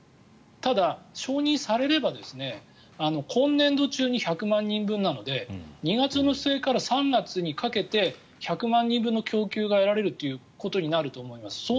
ただ、承認されれば今年度中に１００万人分なので２月の末から３月にかけて１００万人分の供給が得られるということになると思います。